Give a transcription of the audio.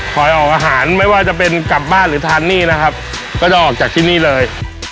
ออกอาหารไม่ว่าจะเป็นกลับบ้านหรือทานหนี้นะครับก็จะออกจากที่นี่เลย